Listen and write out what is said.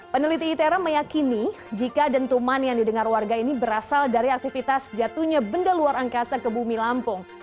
peneliti itera meyakini jika dentuman yang didengar warga ini berasal dari aktivitas jatuhnya benda luar angkasa ke bumi lampung